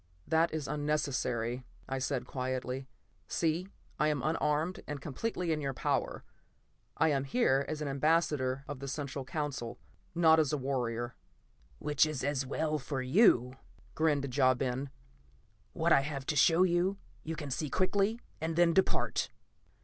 "That is unnecessary," I said quietly. "See, I am unarmed and completely in your power. I am here as an ambassador of the Central Council, not as a warrior." "Which is as well for you," grinned Ja Ben. "What I have to show you, you can see quickly, and then depart."